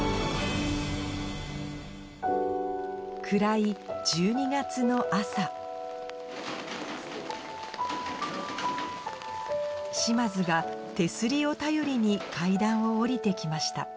暗い１２月の朝嶋津が手すりを頼りに階段を降りて来ました